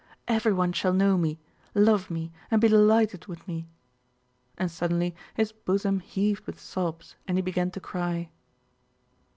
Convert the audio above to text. Everyone shall know me, love me, and be delighted with me!" And suddenly his bosom heaved with sobs and he began to cry.